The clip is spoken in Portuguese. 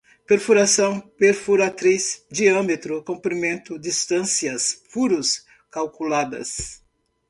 perfuração, perfuratriz, diâmetro, comprimento, distâncias, furos, calculadas